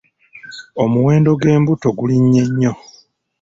Omuwendo g'embuto gulinnye nnyo.